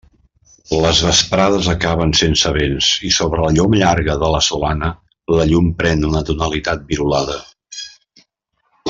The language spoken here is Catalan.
Les vesprades acaben sense vents, i sobre la lloma llarga de la Solana la llum pren una tonalitat virolada.